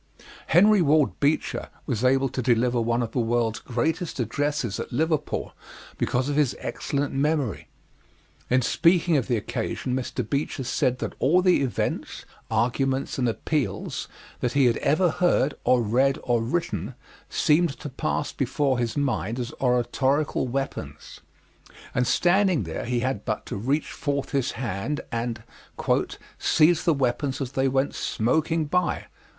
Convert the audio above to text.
Henry Ward Beecher was able to deliver one of the world's greatest addresses at Liverpool because of his excellent memory. In speaking of the occasion Mr. Beecher said that all the events, arguments and appeals that he had ever heard or read or written seemed to pass before his mind as oratorical weapons, and standing there he had but to reach forth his hand and "seize the weapons as they went smoking by."